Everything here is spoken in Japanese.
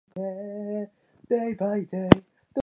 幕閣の利れ者